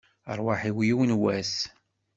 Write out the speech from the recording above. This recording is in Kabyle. Rrwaḥ-iw, yiwen n wass!